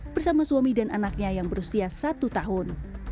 bersama suami dan anaknya yang berusia satu tahun